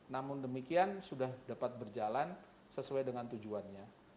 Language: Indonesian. namun demikian sudah dapat berjalan sesuai dengan tujuannya